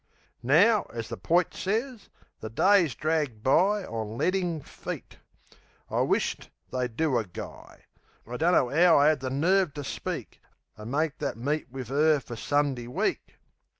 Now, as the poit sez, the days drag by On ledding feet. I wish't they'd do a guy. I dunno'ow I 'ad the nerve ter speak, An' make that meet wiv 'er fer Sundee week!